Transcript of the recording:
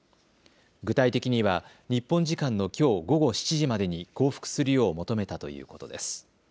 具体的には日本時間のきょう午後７時までに降伏するよう求めたということです。